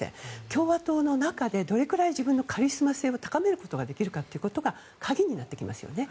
共和党の中でどれくらい自分のカリスマ性を高めることができるかということが鍵になってきますよね。